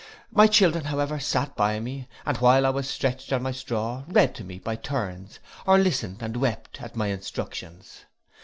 My children however sate by me, and while I was stretched on my straw, read to me by turns, or listened and wept at my instructions.